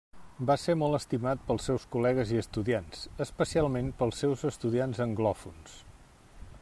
Va ser molt estimat pels seus col·legues i estudiants, especialment pels seus estudiants anglòfons.